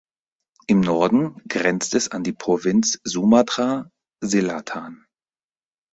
Im Norden grenzt es an die Provinz Sumatra Selatan.